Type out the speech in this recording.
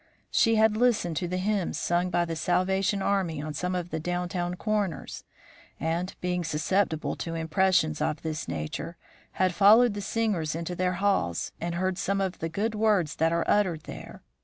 She had listened to the hymns sung by the Salvation Army on some of the down town corners, and, being susceptible to impressions of this nature, had followed the singers into their halls and heard some of the good words that are uttered there.